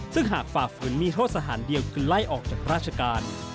ซึ่งหากฝ่าฝืนมีโทษสถานเดียวคือไล่ออกจากราชการ